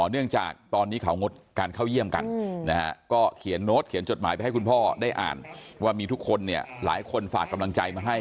เนื่องจากตอนนี้เขางดการเข้าเยี่ยมกันนะฮะก็เขียนโน้ตเขียนจดหมายไปให้คุณพ่อได้อ่านว่ามีทุกคนเนี่ยหลายคนฝากกำลังใจมาให้